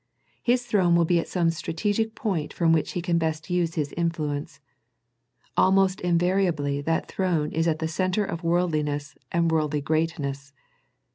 His throne will be at some strategic point from which he can best use his influence. Almost invariably that throne is at the centre of worldliness and worldly greatness.